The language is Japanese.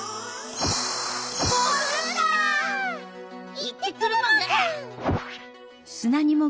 いってくるモグ！